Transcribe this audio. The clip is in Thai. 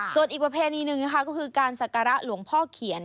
ส่วนอีกประเพณีหนึ่งนะคะก็คือการศักระหลวงพ่อเขียน